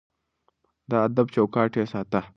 د ادب چوکاټ يې ساته.